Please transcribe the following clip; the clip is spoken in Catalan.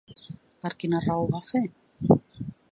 Per quina raó ho va fer?